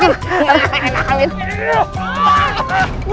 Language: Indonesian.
jurus tahun itu